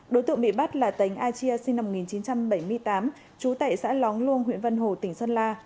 đối tượng bị bắt là tên aichia sinh năm một nghìn chín trăm bảy mươi tám trú tại xã lóng luông huyện vân hồ tỉnh sơn la